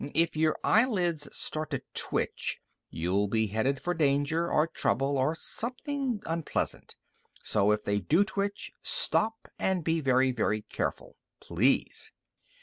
If your eyelids start to twitch, you'll be headed for danger or trouble or something unpleasant. So if they do twitch, stop and be very, very careful. Please!"